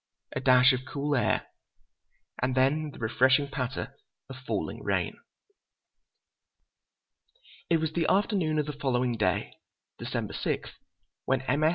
A dash of cool air, and then the refreshing patter of falling rain. It was the afternoon of the following day, December 6, when M. S.